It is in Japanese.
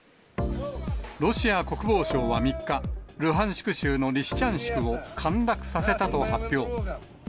ロシア国防省は３日、ルハンシク州のリシチャンシクを陥落させたと発表。